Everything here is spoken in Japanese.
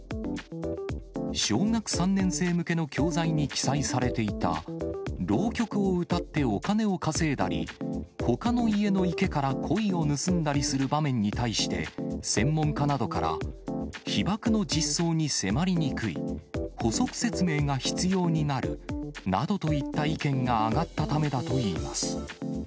小学３年生向けの教材に記載されていた、浪曲を歌ってお金を稼いだり、ほかの家の池からコイを盗んだりする場面に対して、専門家などから被爆の実相に迫りにくい、補足説明が必要になるなどといった意見が上がったためだといいます。